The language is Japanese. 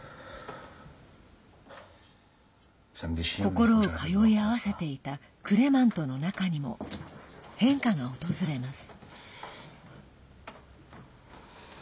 心を通い合わせていたクレマンとの仲にも変化が訪れます。